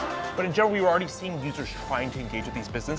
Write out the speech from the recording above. tapi secara umum kita sudah melihat pengguna mencoba untuk berhubung dengan bisnis ini